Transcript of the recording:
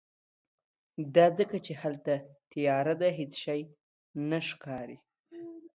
دا ځکه چې هلته تیاره ده، هیڅ شی نه ښکاری